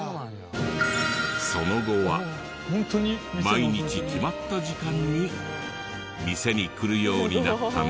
その後は毎日決まった時間に店に来るようになったんだとか。